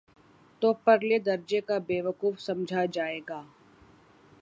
تو پرلے درجے کا بیوقوف سمجھا جائے گا۔